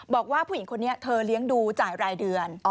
บอกว่าผู้หญิงคนนี้เธอเลี้ยงดูจ่ายรายเดือน